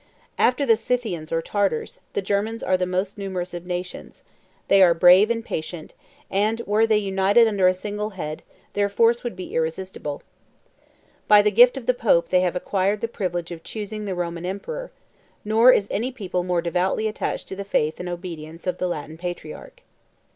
After the Scythians or Tartars, the Germans are the most numerous of nations: they are brave and patient; and were they united under a single head, their force would be irresistible. By the gift of the pope, they have acquired the privilege of choosing the Roman emperor; 24 nor is any people more devoutly attached to the faith and obedience of the Latin patriarch.